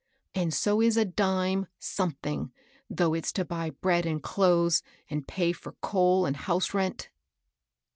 And so is a dime something^ though it's to buy bread and clothes, and pay for coal and house rent.'